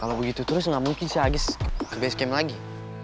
kalau begitu terus gak mungkin si agis ke base game lagi